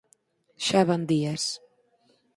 Xa van días